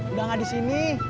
udah enggak disini